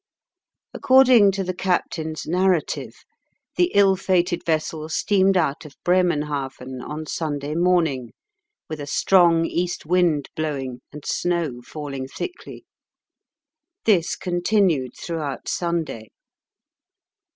According to the captain's narrative, the ill fated vessel steamed out of Bremenhaven on Sunday morning with a strong east wind blowing and snow falling thickly. This continued throughout Sunday.